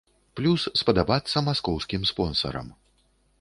Плюс спадабацца маскоўскім спонсарам.